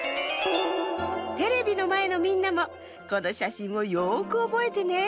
テレビのまえのみんなもこのしゃしんをよくおぼえてね。